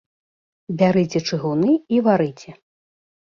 Бярыце чыгуны і варыце.